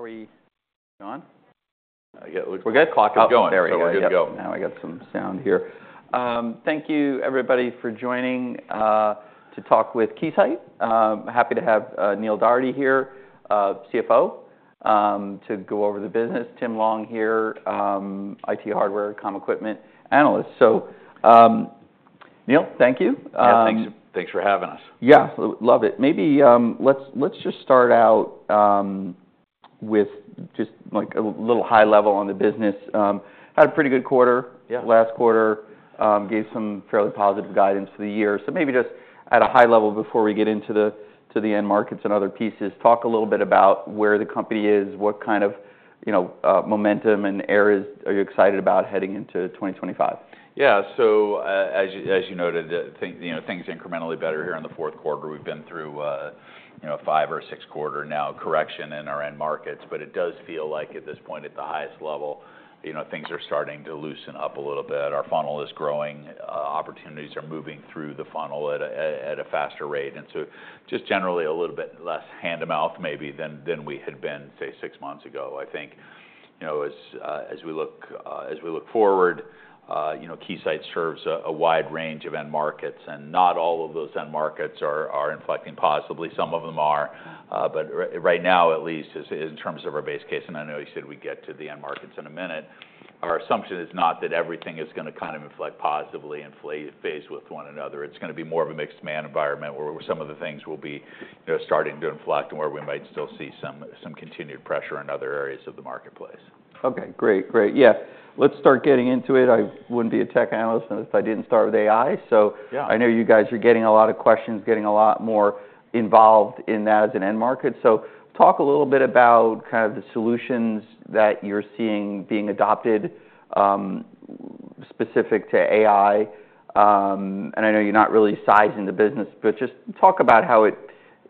Hey. Are we on? Yeah, we're good. Clock up. We're good. Going. Very good. We're good to go. Now I got some sound here. Thank you, everybody, for joining to talk with Keysight. Happy to have Neil Dougherty here, CFO, to go over the business. Tim Long here, IT hardware, comm equipment analyst. So Neil, thank you. Yeah, thanks for having us. Yeah, love it. Maybe let's just start out with just a little high level on the business. Had a pretty good quarter last quarter, gave some fairly positive guidance for the year. So maybe just at a high level before we get into the end markets and other pieces, talk a little bit about where the company is, what kind of momentum and areas are you excited about heading into 2025? Yeah. So as you noted, things incrementally better here in the fourth quarter. We've been through a five or six quarter now correction in our end markets. But it does feel like at this point, at the highest level, things are starting to loosen up a little bit. Our funnel is growing. Opportunities are moving through the funnel at a faster rate. And so just generally a little bit less hand-to-mouth maybe than we had been, say, six months ago. I think as we look forward, Keysight serves a wide range of end markets, and not all of those end markets are inflecting positively. Some of them are. But right now, at least in terms of our base case, and I know you said we get to the end markets in a minute, our assumption is not that everything is going to kind of inflect positively and phase with one another. It's going to be more of a mixed end-market environment where some of the things will be starting to inflect and where we might still see some continued pressure in other areas of the marketplace. Okay. Great. Great. Yeah. Let's start getting into it. I wouldn't be a tech analyst if I didn't start with AI. So I know you guys are getting a lot of questions, getting a lot more involved in that as an end market. So talk a little bit about kind of the solutions that you're seeing being adopted specific to AI. And I know you're not really sizing the business, but just talk about how it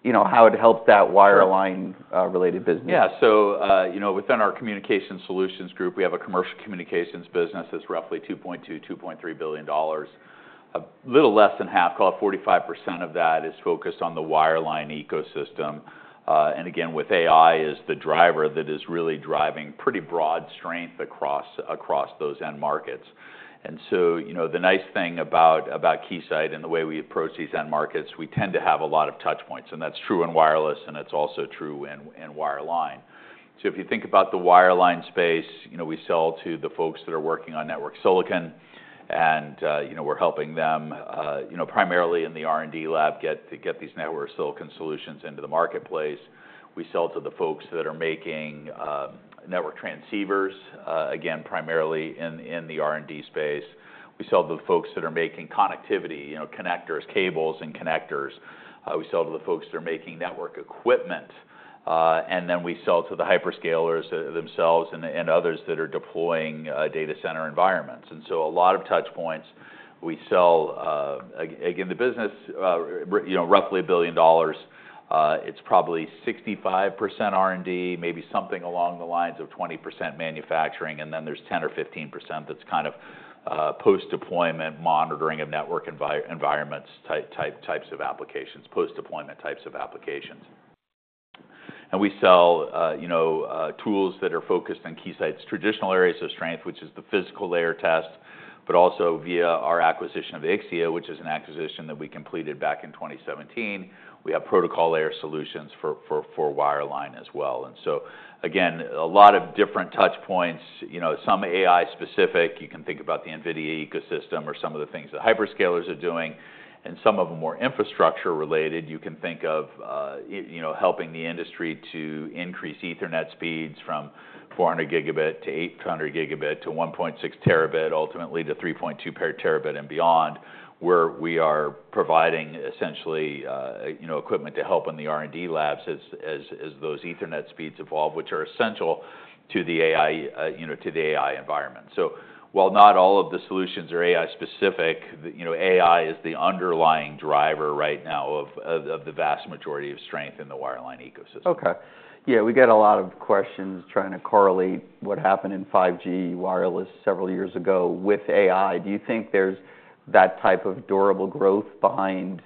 helps that wireline-related business. Yeah. So within our Communications Solutions Group, we have a Commercial Communications business that's roughly $2.2-$2.3 billion. A little less than half, call it 45% of that, is focused on the wireline ecosystem. And again, with AI as the driver that is really driving pretty broad strength across those end markets. And so the nice thing about Keysight and the way we approach these end markets, we tend to have a lot of touch points. And that's true in wireless, and it's also true in wireline. So if you think about the wireline space, we sell to the folks that are working on network silicon, and we're helping them primarily in the R&D lab get these network silicon solutions into the marketplace. We sell to the folks that are making network transceivers, again, primarily in the R&D space. We sell to the folks that are making connectivity, connectors, cables, and connectors. We sell to the folks that are making network equipment, and then we sell to the hyperscalers themselves and others that are deploying data center environments, and so a lot of touch points. We sell, again, the business, roughly $1 billion. It's probably 65% R&D, maybe something along the lines of 20% manufacturing, and then there's 10% or 15% that's kind of post-deployment monitoring of network environments, types of applications, post-deployment types of applications. And we sell tools that are focused on Keysight's traditional areas of strength, which is the physical layer test, but also via our acquisition of Ixia, which is an acquisition that we completed back in 2017. We have protocol layer solutions for wireline as well, and so, again, a lot of different touch points. Some AI-specific, you can think about the NVIDIA ecosystem or some of the things that hyperscalers are doing, and some of them are infrastructure-related. You can think of helping the industry to increase Ethernet speeds from 400 Gb-800 Gb to 1.6 Tb, ultimately to 3.2 Tb and beyond, where we are providing essentially equipment to help in the R&D labs as those Ethernet speeds evolve, which are essential to the AI environment, so while not all of the solutions are AI-specific, AI is the underlying driver right now of the vast majority of strength in the wireline ecosystem. Okay. Yeah. We get a lot of questions trying to correlate what happened in 5G wireless several years ago with AI. Do you think there's that type of durable growth behind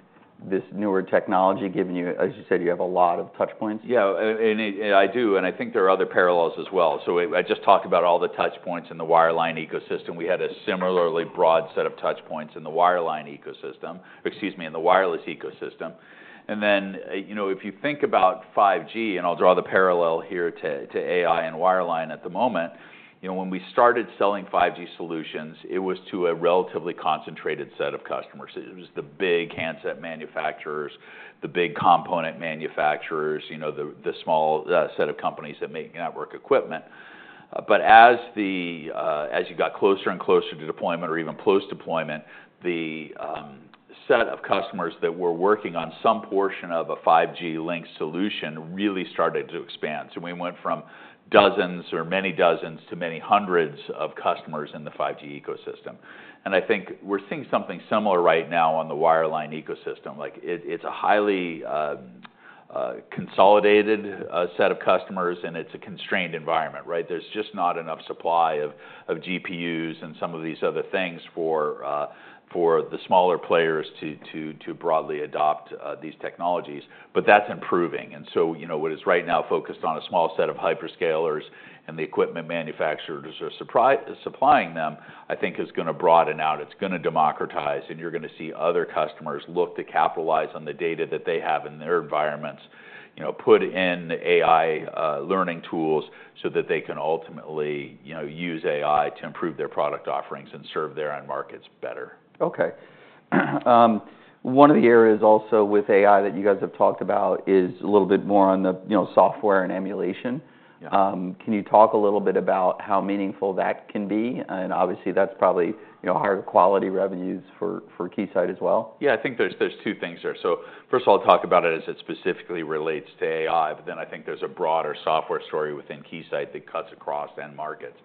this newer technology, given you, as you said, you have a lot of touch points? Yeah, I do. And I think there are other parallels as well. So I just talked about all the touch points in the wireline ecosystem. We had a similarly broad set of touch points in the wireline ecosystem, excuse me, in the wireless ecosystem. And then if you think about 5G, and I'll draw the parallel here to AI and wireline at the moment, when we started selling 5G solutions, it was to a relatively concentrated set of customers. It was the big handset manufacturers, the big component manufacturers, the small set of companies that make network equipment. But as you got closer and closer to deployment or even post-deployment, the set of customers that were working on some portion of a 5G link solution really started to expand. So we went from dozens or many dozens to many hundreds of customers in the 5G ecosystem. And I think we're seeing something similar right now on the wireline ecosystem. It's a highly consolidated set of customers, and it's a constrained environment, right? There's just not enough supply of GPUs and some of these other things for the smaller players to broadly adopt these technologies. But that's improving. And so what is right now focused on a small set of hyperscalers and the equipment manufacturers are supplying them, I think is going to broaden out. It's going to democratize, and you're going to see other customers look to capitalize on the data that they have in their environments, put in AI learning tools so that they can ultimately use AI to improve their product offerings and serve their end markets better. Okay. One of the areas also with AI that you guys have talked about is a little bit more on the software and emulation. Can you talk a little bit about how meaningful that can be? And obviously, that's probably higher quality revenues for Keysight as well. Yeah, I think there's two things there. So first of all, I'll talk about it as it specifically relates to AI, but then I think there's a broader software story within Keysight that cuts across end markets.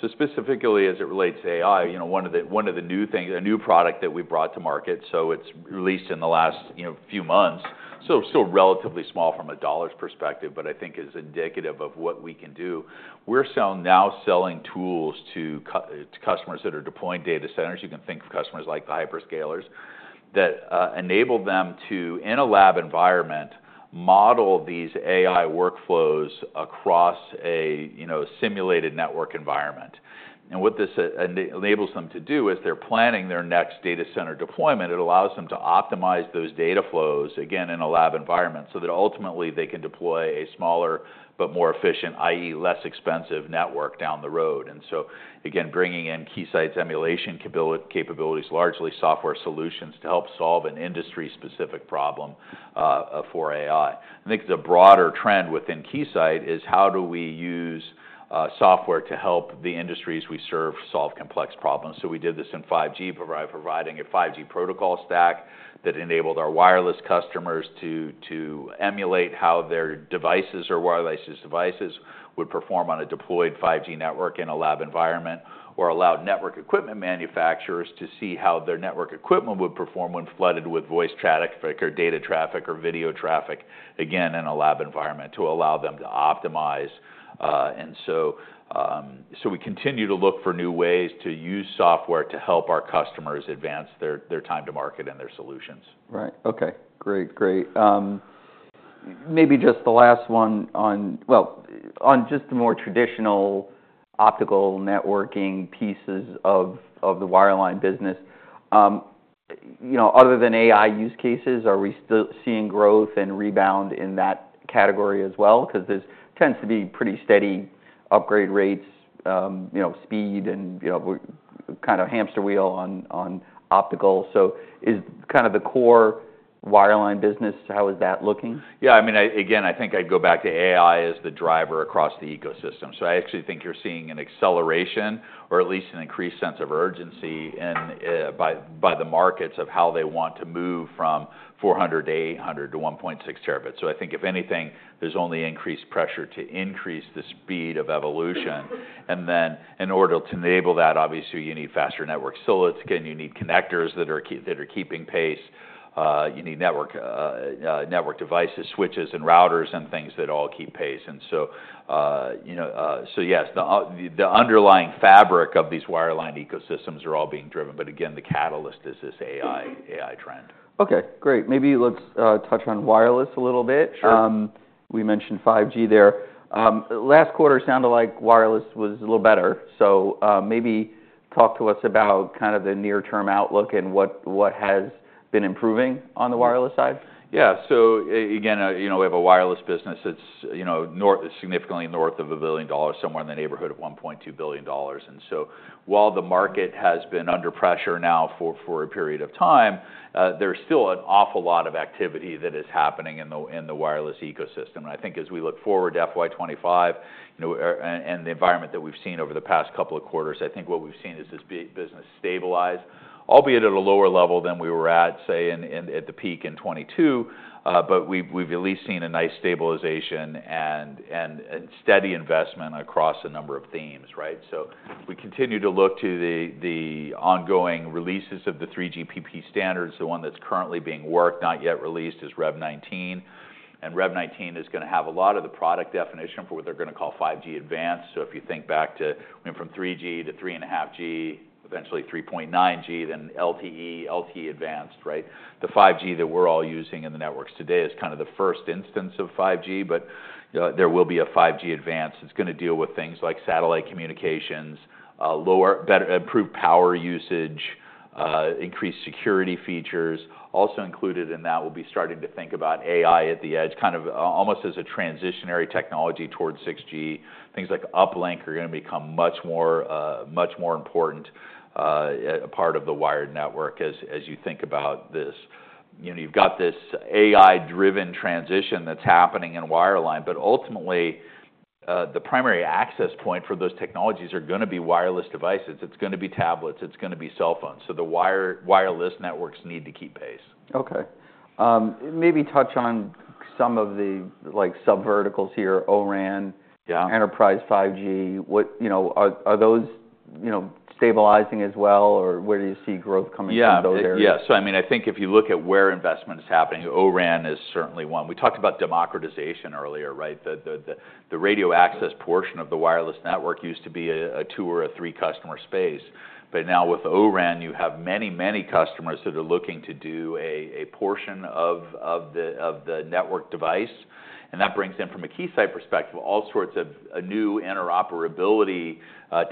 So specifically as it relates to AI, one of the new products that we brought to market, so it's released in the last few months, still relatively small from a dollar's perspective, but I think is indicative of what we can do. We're now selling tools to customers that are deploying data centers. You can think of customers like the hyperscalers that enable them to, in a lab environment, model these AI workflows across a simulated network environment. And what this enables them to do is they're planning their next data center deployment. It allows them to optimize those data flows, again, in a lab environment so that ultimately they can deploy a smaller but more efficient, i.e., less expensive network down the road, and so, again, bringing in Keysight's emulation capabilities, largely software solutions to help solve an industry-specific problem for AI. I think the broader trend within Keysight is how do we use software to help the industries we serve solve complex problems, so we did this in 5G by providing a 5G protocol stack that enabled our wireless customers to emulate how their devices or wireless devices would perform on a deployed 5G network in a lab environment or allowed network equipment manufacturers to see how their network equipment would perform when flooded with voice traffic or data traffic or video traffic, again, in a lab environment to allow them to optimize. And so we continue to look for new ways to use software to help our customers advance their time to market and their solutions. Right. Okay. Great. Great. Maybe just the last one on, well, on just the more traditional optical networking pieces of the wireline business. Other than AI use cases, are we still seeing growth and rebound in that category as well? Because there tends to be pretty steady upgrade rates, speed, and kind of hamster wheel on optical. So is kind of the core wireline business, how is that looking? Yeah. I mean, again, I think I'd go back to AI as the driver across the ecosystem. So I actually think you're seeing an acceleration or at least an increased sense of urgency by the markets of how they want to move from 400-800 to 1.6 Tb. So I think if anything, there's only increased pressure to increase the speed of evolution. And then in order to enable that, obviously, you need faster network silicon. You need connectors that are keeping pace. You need network devices, switches, and routers and things that all keep pace. And so yes, the underlying fabric of these wireline ecosystems are all being driven. But again, the catalyst is this AI trend. Okay. Great. Maybe let's touch on wireless a little bit. We mentioned 5G there. Last quarter sounded like wireless was a little better. So maybe talk to us about kind of the near-term outlook and what has been improving on the wireless side. Yeah. So again, we have a wireless business that's significantly north of a billion dollars, somewhere in the neighborhood of $1.2 billion. And so while the market has been under pressure now for a period of time, there's still an awful lot of activity that is happening in the wireless ecosystem. And I think as we look forward to FY25 and the environment that we've seen over the past couple of quarters, I think what we've seen is this business stabilize, albeit at a lower level than we were at, say, at the peak in 2022, but we've at least seen a nice stabilization and steady investment across a number of themes, right? So we continue to look to the ongoing releases of the 3GPP standards. The one that's currently being worked, not yet released, is Rel-19. And Rel-19 is going to have a lot of the product definition for what they're going to call 5G Advanced. So if you think back to from 3G-3.5G, eventually 3.9G, then LTE, LTE Advanced, right? The 5G that we're all using in the networks today is kind of the first instance of 5G, but there will be a 5G Advanced. It's going to deal with things like satellite communications, improved power usage, increased security features. Also included in that will be starting to think about AI at the edge, kind of almost as a transitionary technology towards 6G. Things like uplink are going to become much more important part of the wired network as you think about this. You've got this AI-driven transition that's happening in wireline, but ultimately the primary access point for those technologies are going to be wireless devices. It's going to be tablets. It's going to be cell phones. So the wireless networks need to keep pace. Okay. Maybe touch on some of the subverticals here, O-RAN, Enterprise 5G. Are those stabilizing as well, or where do you see growth coming from those areas? Yeah. So I mean, I think if you look at where investment is happening, O-RAN is certainly one. We talked about democratization earlier, right? The radio access portion of the wireless network used to be a two or three-customer space. But now with O-RAN, you have many, many customers that are looking to do a portion of the network device. And that brings in, from a Keysight perspective, all sorts of new interoperability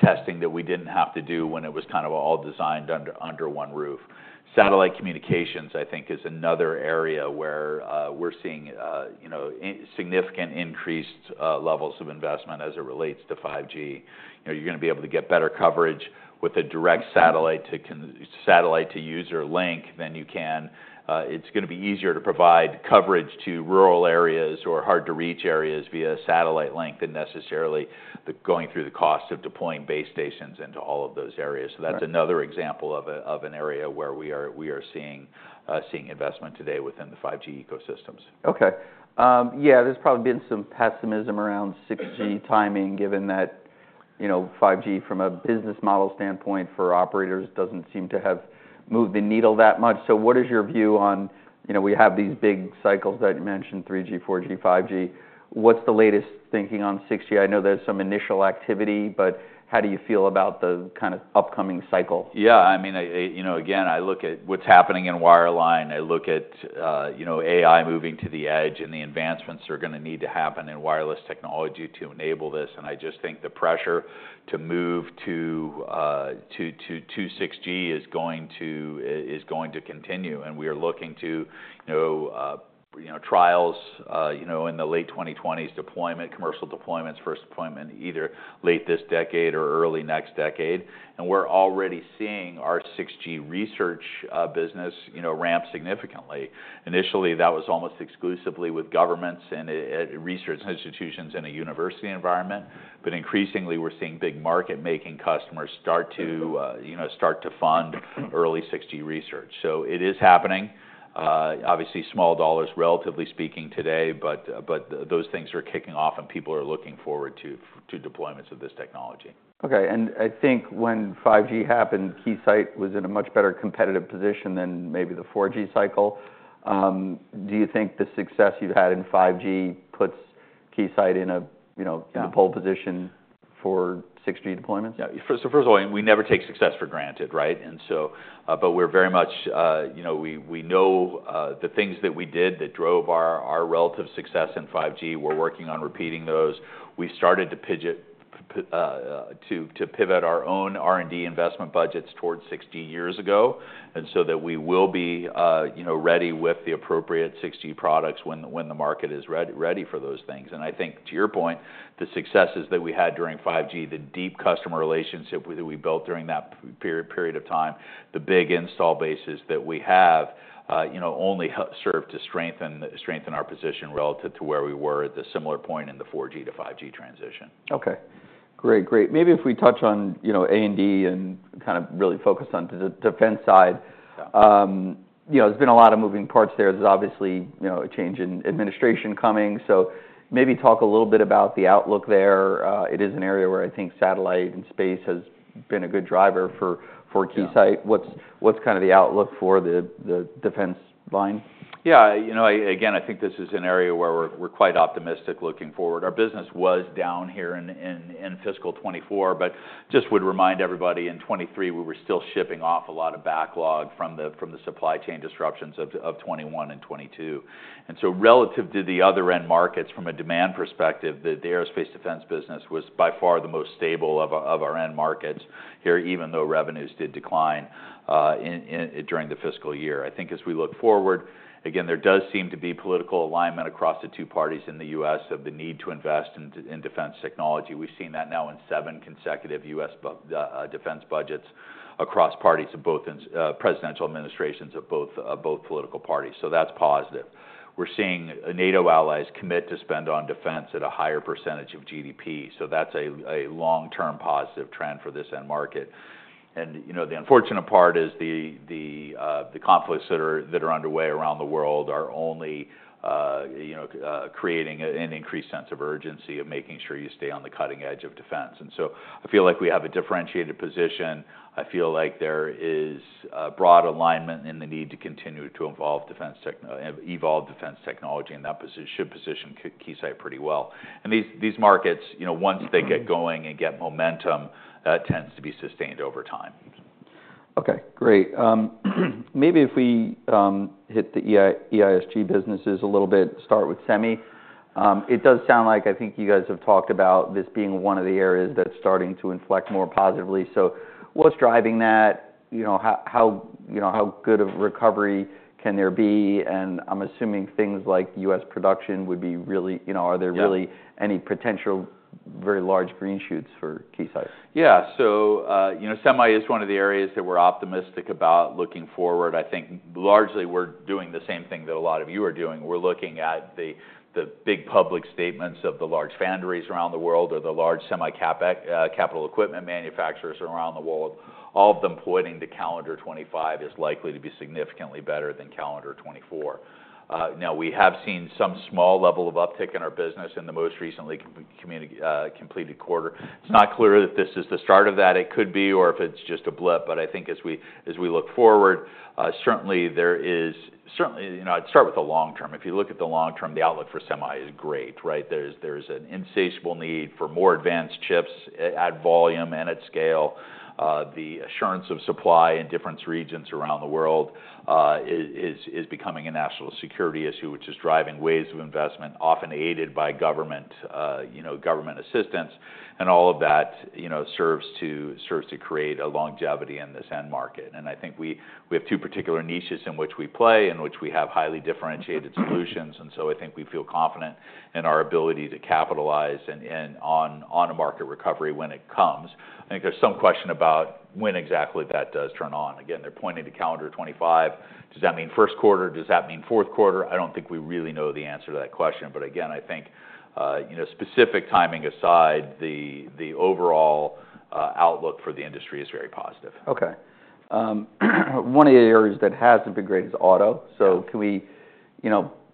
testing that we didn't have to do when it was kind of all designed under one roof. Satellite communications, I think, is another area where we're seeing significant increased levels of investment as it relates to 5G. You're going to be able to get better coverage with a direct satellite-to-user link than you can. It's going to be easier to provide coverage to rural areas or hard-to-reach areas via satellite link than necessarily going through the cost of deploying base stations into all of those areas. So that's another example of an area where we are seeing investment today within the 5G ecosystems. Okay. Yeah. There's probably been some pessimism around 6G timing, given that 5G, from a business model standpoint for operators, doesn't seem to have moved the needle that much. So what is your view on we have these big cycles that you mentioned, 3G, 4G, 5G? What's the latest thinking on 6G? I know there's some initial activity, but how do you feel about the kind of upcoming cycle? Yeah. I mean, again, I look at what's happening in wireline. I look at AI moving to the edge and the advancements that are going to need to happen in wireless technology to enable this. And I just think the pressure to move to 6G is going to continue. And we are looking to trials in the late 2020s, commercial deployments, first deployment, either late this decade or early next decade. And we're already seeing our 6G research business ramp significantly. Initially, that was almost exclusively with governments and research institutions in a university environment, but increasingly we're seeing big market-making customers start to fund early 6G research. So it is happening. Obviously, small dollars, relatively speaking, today, but those things are kicking off and people are looking forward to deployments of this technology. Okay. I think when 5G happened, Keysight was in a much better competitive position than maybe the 4G cycle. Do you think the success you've had in 5G puts Keysight in a pole position for 6G deployments? Yeah. First of all, we never take success for granted, right? But we're very much. We know the things that we did that drove our relative success in 5G. We're working on repeating those. We started to pivot our own R&D investment budgets toward 6G years ago so that we will be ready with the appropriate 6G products when the market is ready for those things. And I think, to your point, the successes that we had during 5G, the deep customer relationship that we built during that period of time, the big installed bases that we have only served to strengthen our position relative to where we were at the similar point in the 4G to 5G transition. Okay. Great. Great. Maybe if we touch on A&D and kind of really focus on the defense side. There's been a lot of moving parts there. There's obviously a change in administration coming. So maybe talk a little bit about the outlook there. It is an area where I think satellite and space has been a good driver for Keysight. What's kind of the outlook for the defense line? Yeah. Again, I think this is an area where we're quite optimistic looking forward. Our business was down here in fiscal 2024, but just would remind everybody in 2023, we were still shipping off a lot of backlog from the supply chain disruptions of 2021 and 2022. And so relative to the other end markets, from a demand perspective, the aerospace defense business was by far the most stable of our end markets here, even though revenues did decline during the fiscal year. I think as we look forward, again, there does seem to be political alignment across the two parties in the U.S. of the need to invest in defense technology. We've seen that now in seven consecutive U.S. defense budgets across parties of both presidential administrations of both political parties. So that's positive. We're seeing NATO allies commit to spend on defense at a higher percentage of GDP. So that's a long-term positive trend for this end market. And the unfortunate part is the conflicts that are underway around the world are only creating an increased sense of urgency of making sure you stay on the cutting edge of defense. And so I feel like we have a differentiated position. I feel like there is broad alignment in the need to continue to evolve defense technology and that should position Keysight pretty well. And these markets, once they get going and get momentum, that tends to be sustained over time. Okay. Great. Maybe if we hit the EISG businesses a little bit, start with semi. It does sound like I think you guys have talked about this being one of the areas that's starting to inflect more positively. So what's driving that? How good of a recovery can there be? And I'm assuming things like U.S. production would be really. Are there really any potential very large green shoots for Keysight? Yeah. So semi is one of the areas that we're optimistic about looking forward. I think largely we're doing the same thing that a lot of you are doing. We're looking at the big public statements of the large foundries around the world or the large semi-capital equipment manufacturers around the world. All of them pointing to calendar 2025 is likely to be significantly better than calendar 2024. Now, we have seen some small level of uptick in our business in the most recently completed quarter. It's not clear that this is the start of that. It could be or if it's just a blip. But I think as we look forward, certainly there is. I'd start with the long term. If you look at the long term, the outlook for semi is great, right? There's an insatiable need for more advanced chips at volume and at scale. The assurance of supply in different regions around the world is becoming a national security issue, which is driving waves of investment, often aided by government assistance. And all of that serves to create a longevity in this end market. And I think we have two particular niches in which we play and which we have highly differentiated solutions. And so I think we feel confident in our ability to capitalize on a market recovery when it comes. I think there's some question about when exactly that does turn on. Again, they're pointing to calendar 2025. Does that mean first quarter? Does that mean fourth quarter? I don't think we really know the answer to that question. But again, I think specific timing aside, the overall outlook for the industry is very positive. Okay. One of the areas that hasn't been great is auto. So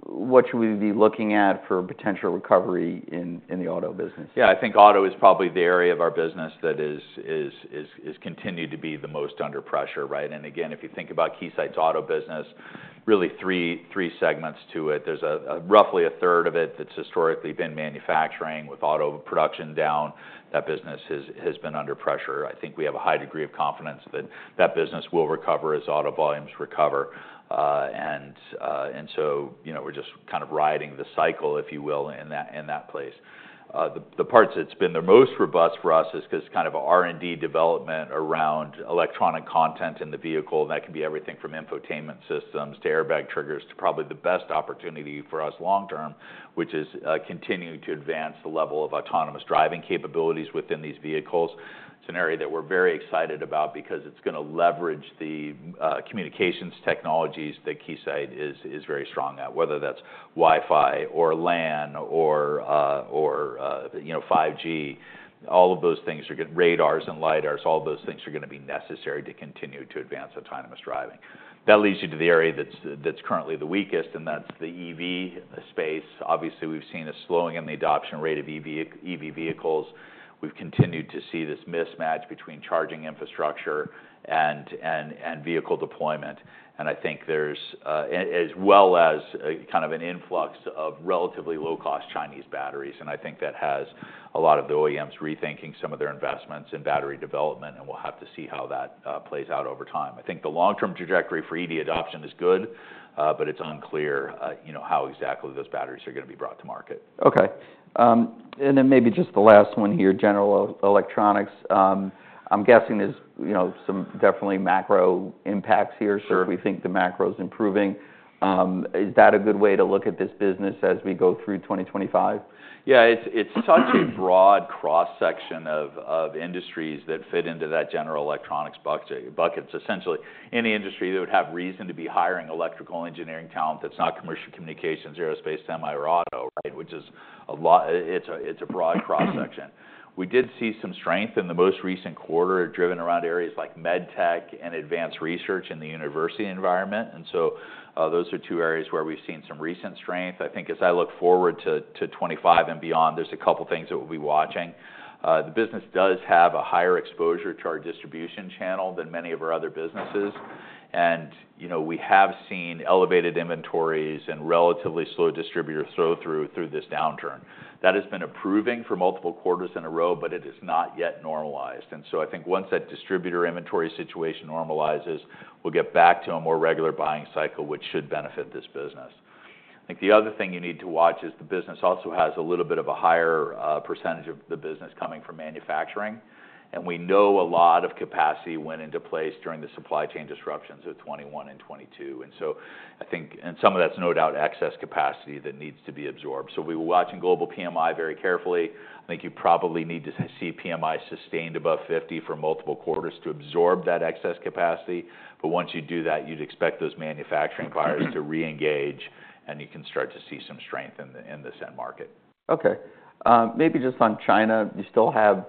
what should we be looking at for potential recovery in the auto business? Yeah. I think auto is probably the area of our business that has continued to be the most under pressure, right? And again, if you think about Keysight's auto business, really three segments to it. There's roughly a third of it that's historically been manufacturing with auto production down. That business has been under pressure. I think we have a high degree of confidence that that business will recover as auto volumes recover. And so we're just kind of riding the cycle, if you will, in that place. The parts that's been the most robust for us is kind of R&D development around electronic content in the vehicle. That can be everything from infotainment systems to airbag triggers to probably the best opportunity for us long term, which is continuing to advance the level of autonomous driving capabilities within these vehicles. It's an area that we're very excited about because it's going to leverage the communications technologies that Keysight is very strong at, whether that's Wi-Fi or LAN or 5G. All of those things are radars and lidars. All of those things are going to be necessary to continue to advance autonomous driving. That leads you to the area that's currently the weakest, and that's the EV space. Obviously, we've seen a slowing in the adoption rate of EV vehicles. We've continued to see this mismatch between charging infrastructure and vehicle deployment, and I think there's, as well as kind of an influx of relatively low-cost Chinese batteries, and I think that has a lot of the OEMs rethinking some of their investments in battery development, and we'll have to see how that plays out over time. I think the long-term trajectory for EV adoption is good, but it's unclear how exactly those batteries are going to be brought to market. Okay. And then maybe just the last one here, general electronics. I'm guessing there's some definite macro impacts here. So if we think the macro is improving, is that a good way to look at this business as we go through 2025? Yeah. It's such a broad cross-section of industries that fit into that general electronics bucket. So essentially, any industry that would have reason to be hiring electrical engineering talent that's not commercial communications, aerospace, semi, or auto, right? Which is a lot. It's a broad cross-section. We did see some strength in the most recent quarter driven around areas like MedTech and advanced research in the university environment. And so those are two areas where we've seen some recent strength. I think as I look forward to 2025 and beyond, there's a couple of things that we'll be watching. The business does have a higher exposure to our distribution channel than many of our other businesses. And we have seen elevated inventories and relatively slow distributor sell-through this downturn. That has been improving for multiple quarters in a row, but it has not yet normalized. And so I think once that distributor inventory situation normalizes, we'll get back to a more regular buying cycle, which should benefit this business. I think the other thing you need to watch is the business also has a little bit of a higher percentage of the business coming from manufacturing. And we know a lot of capacity went into place during the supply chain disruptions of 2021 and 2022. And so I think some of that's no doubt excess capacity that needs to be absorbed. So we were watching global PMI very carefully. I think you probably need to see PMI sustained above 50 for multiple quarters to absorb that excess capacity. But once you do that, you'd expect those manufacturing buyers to reengage, and you can start to see some strength in this end market. Okay. Maybe just on China, you still have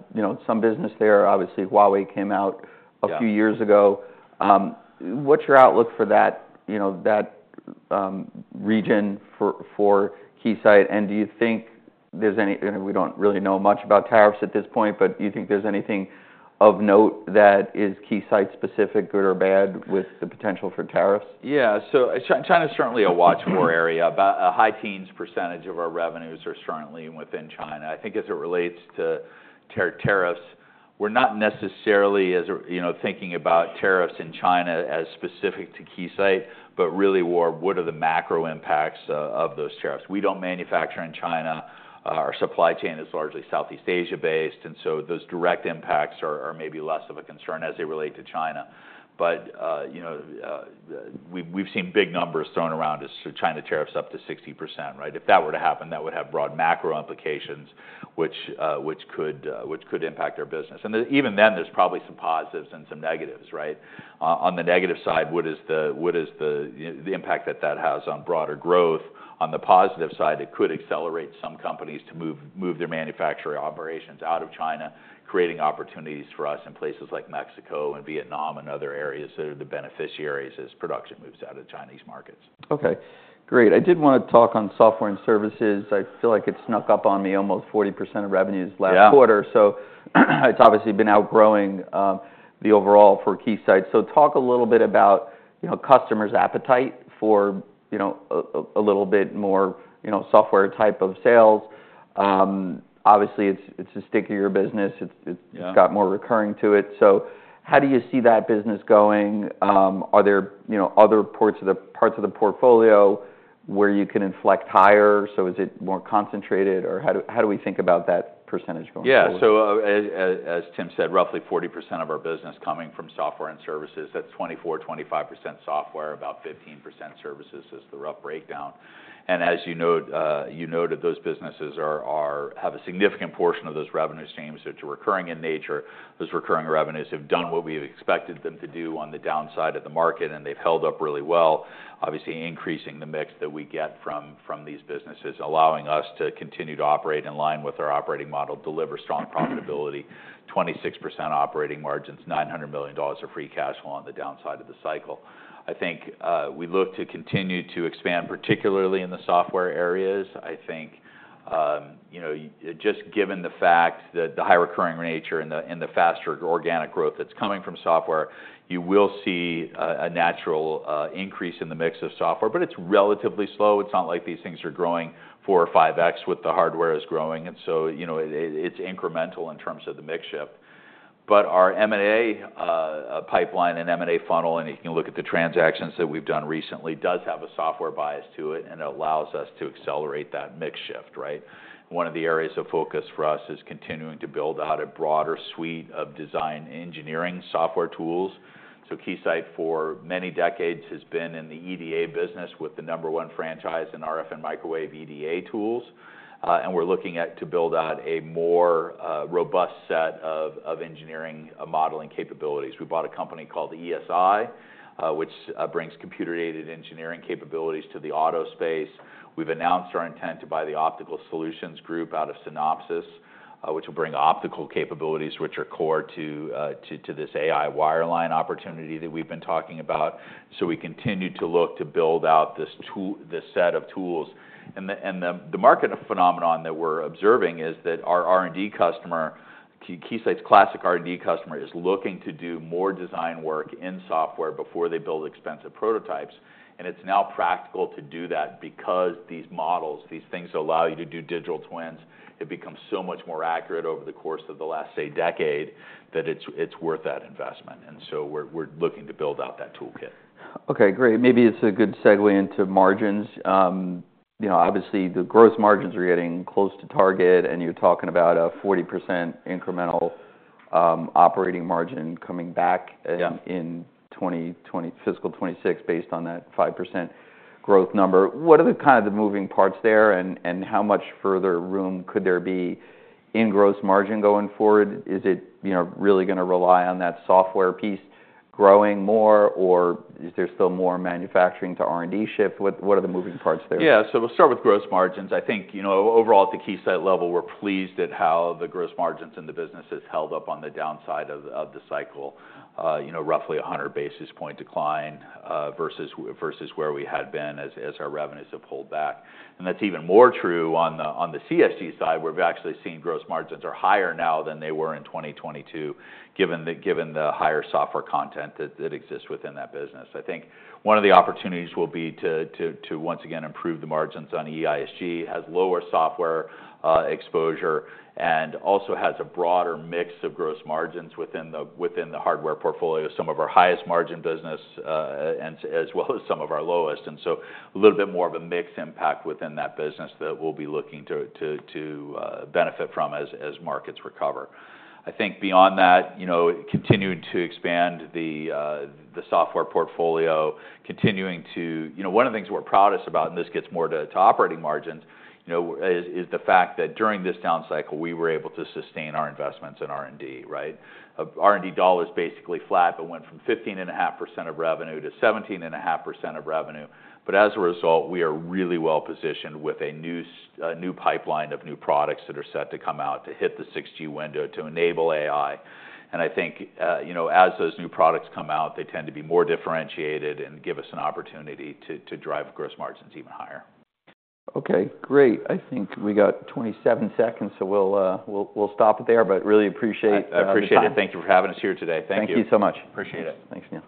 some business there. Obviously, Huawei came out a few years ago. What's your outlook for that region for Keysight? And do you think there's any? We don't really know much about tariffs at this point, but do you think there's anything of note that is Keysight-specific, good or bad, with the potential for tariffs? Yeah, so China is certainly a watchful area. A high teens percentage of our revenues are certainly within China. I think as it relates to tariffs, we're not necessarily thinking about tariffs in China as specific to Keysight, but really more what are the macro impacts of those tariffs. We don't manufacture in China. Our supply chain is largely Southeast Asia-based. And so those direct impacts are maybe less of a concern as they relate to China. But we've seen big numbers thrown around as to China tariffs up to 60%, right? If that were to happen, that would have broad macro implications, which could impact our business. And even then, there's probably some positives and some negatives, right? On the negative side, what is the impact that that has on broader growth? On the positive side, it could accelerate some companies to move their manufacturing operations out of China, creating opportunities for us in places like Mexico and Vietnam and other areas that are the beneficiaries as production moves out of the Chinese markets. Okay. Great. I did want to talk on software and services. I feel like it snuck up on me almost 40% of revenues last quarter. So it's obviously been outgrowing the overall for Keysight. So talk a little bit about customers' appetite for a little bit more software type of sales. Obviously, it's a stickier business. It's got more recurring to it. So how do you see that business going? Are there other parts of the portfolio where you can inflect higher? So is it more concentrated, or how do we think about that percentage going forward? Yeah. So, as Tim said, roughly 40% of our business coming from software and services. That's 24%-25% software, about 15% services is the rough breakdown. And as you noted, those businesses have a significant portion of those revenue streams that are recurring in nature. Those recurring revenues have done what we've expected them to do on the downside of the market, and they've held up really well, obviously increasing the mix that we get from these businesses, allowing us to continue to operate in line with our operating model, deliver strong profitability, 26% operating margins, $900 million of free cash flow on the downside of the cycle. I think we look to continue to expand, particularly in the software areas. I think just given the fact that the high recurring nature and the faster organic growth that's coming from software, you will see a natural increase in the mix of software, but it's relatively slow. It's not like these things are growing four or five X with the hardware is growing. And so it's incremental in terms of the mix shift. But our M&A pipeline and M&A funnel, and you can look at the transactions that we've done recently, does have a software bias to it, and it allows us to accelerate that mix shift, right? One of the areas of focus for us is continuing to build out a broader suite of design engineering software tools. Keysight for many decades has been in the EDA business with the number one franchise in RF and microwave EDA tools. We're looking at to build out a more robust set of engineering modeling capabilities. We bought a company called ESI, which brings computer-aided engineering capabilities to the auto space. We've announced our intent to buy the Optical Solutions Group out of Synopsys, which will bring optical capabilities, which are core to this AI wireline opportunity that we've been talking about. We continue to look to build out this set of tools. The market phenomenon that we're observing is that our R&D customer, Keysight's classic R&D customer, is looking to do more design work in software before they build expensive prototypes. It's now practical to do that because these models, these things allow you to do digital twins. It becomes so much more accurate over the course of the last, say, decade that it's worth that investment. We're looking to build out that toolkit. Okay. Great. Maybe it's a good segue into margins. Obviously, the gross margins are getting close to target, and you're talking about a 40% incremental operating margin coming back in fiscal 2026 based on that 5% growth number. What are the kind of the moving parts there, and how much further room could there be in gross margin going forward? Is it really going to rely on that software piece growing more, or is there still more manufacturing to R&D shift? What are the moving parts there? Yeah. So we'll start with gross margins. I think overall at the Keysight level, we're pleased at how the gross margins in the business have held up on the downside of the cycle, roughly 100 basis point decline versus where we had been as our revenues have pulled back. And that's even more true on the CSG side, where we've actually seen gross margins are higher now than they were in 2022, given the higher software content that exists within that business. I think one of the opportunities will be to, once again, improve the margins on EISG, has lower software exposure, and also has a broader mix of gross margins within the hardware portfolio, some of our highest margin business, as well as some of our lowest. And so a little bit more of a mixed impact within that business that we'll be looking to benefit from as markets recover. I think beyond that, continuing to expand the software portfolio, continuing to one of the things we're proudest about, and this gets more to operating margins, is the fact that during this down cycle, we were able to sustain our investments in R&D, right? R&D dollars basically flat, but went from 15.5% of revenue-17.5% of revenue. But as a result, we are really well positioned with a new pipeline of new products that are set to come out to hit the 6G window to enable AI. And I think as those new products come out, they tend to be more differentiated and give us an opportunity to drive gross margins even higher. Okay. Great. I think we got 27 seconds, so we'll stop it there, but really appreciate it. I appreciate it. Thank you for having us here today. Thank you. Thank you so much. Appreciate it. Thanks, Neil.